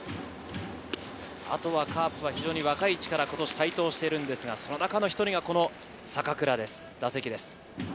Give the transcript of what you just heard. あとはカープは非常に若い力、今年台頭してるんですが、その中の１人が坂倉です。